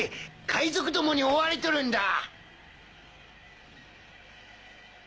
海賊どもに追われとるんだ。